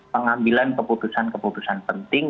pengambilan keputusan keputusan penting